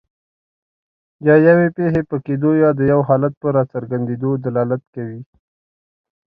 یا یوې پېښې په کیدو یا د یو حالت په راڅرګندیدو دلالت کوي.